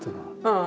ああ。